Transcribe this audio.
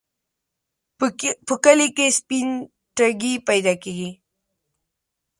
په کلي کې سپين ټکی پیدا کېږي.